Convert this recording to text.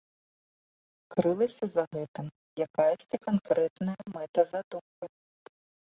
Крылася за гэтым якаясьці канкрэтная мэта-задумка.